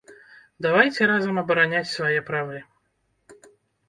Давайце разам абараняць свае правы.